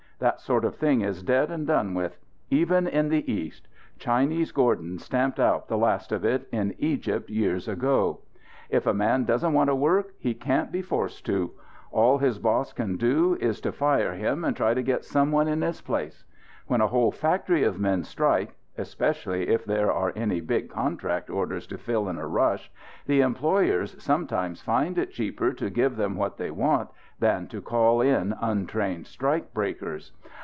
That sort of thing is dead and done with. Even in the East. Chinese Gordon stamped out the last of it, in Egypt, years ago. If a man doesn't want to work, he can't be forced to. All his boss can do is to fire him and try to get some one in his place. When a whole factory of men strike especially if there are any big contract orders to fill in a rush the employers sometimes find it cheaper to give them what they want than to call in untrained strikebreakers.